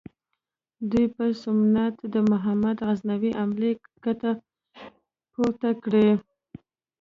دوی په سومنات د محمود غزنوي حملې کته پورته کړې.